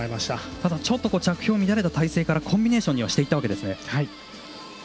ただ着氷を乱れた体勢からコンビネーションにはしていったわけですね。